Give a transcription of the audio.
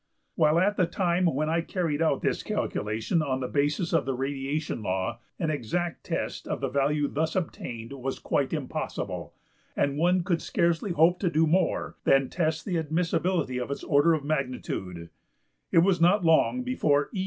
While at the time when I carried out this calculation on the basis of the radiation law an exact test of the value thus obtained was quite impossible, and one could scarcely hope to do more than test the admissibility of its order of magnitude, it was not long before E.